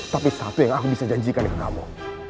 tapi satu yang aku bisa janjikan ke kamu